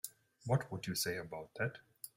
What would you say about that?